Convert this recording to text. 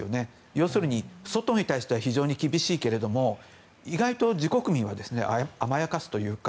要するに、外に対しては非常に厳しいけれども意外と自国民は甘やかすというか。